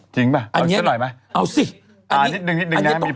จริงป่ะอันนี้เสร็จหน่อยไหมเอาสิอันนี้ตกออกสิเอาสิมามามา